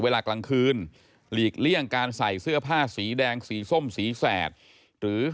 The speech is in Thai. เวลากลางคืนหลีกเลี่ยงการใส่เสื้อผ้าสีแดงสีส้มสีแสดหรือ